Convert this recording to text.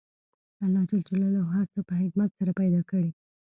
الله ج هر څه په حکمت سره پیدا کړي